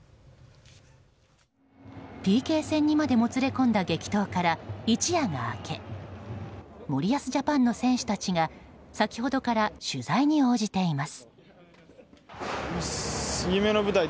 ＰＫ戦にまでもつれ込んだ激闘から、一夜が明け森保ジャパンの選手たちが先ほどから取材に応じています。